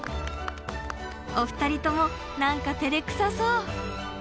お二人とも何かてれくさそう。